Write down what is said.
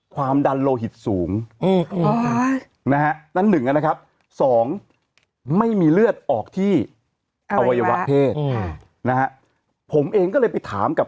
ความดันโลหิตสูงเนี่ยนะฮะนั้นหนึ่งก็นะครับ